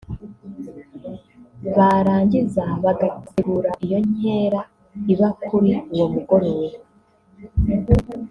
barangiza bagategura iyo nkera iba kuri uwo mugoroba